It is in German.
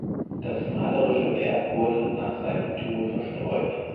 Das malerische Werk wurde nach seinem Tod verstreut.